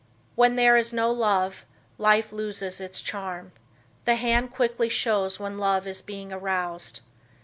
When there is no love, life loses its charm. The hand quickly shows when love is being aroused.